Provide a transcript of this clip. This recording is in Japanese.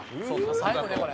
「最後ねこれ」